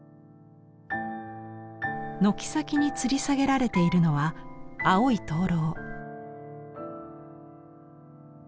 軒先につり下げられているのは青い燈籠。